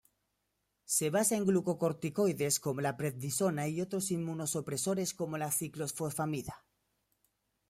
Se basa en glucocorticoides como la prednisona; y otros inmunosupresores como la ciclofosfamida.